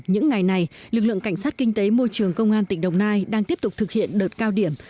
những ngày này lực lượng cảnh sát kinh tế môi trường công an tỉnh đồng nai đang tiếp tục thực hiện đợt cao điểm